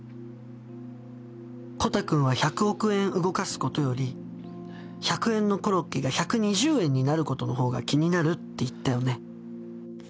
「コタくんは１００億円動かすことより１００円のコロッケが１２０円になることの方が気になるって言ったよね。